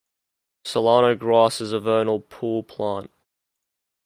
Solano grass is a vernal pool plant.